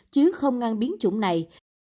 chứ không ngăn biến chủng này